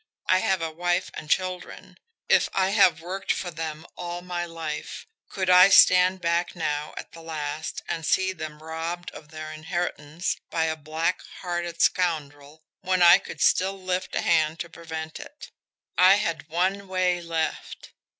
I have a wife and children. If I have worked for them all my life, could I stand back now at the last and see them robbed of their inheritance by a black hearted scoundrel when I could still lift a hand to prevent it! I had one way left.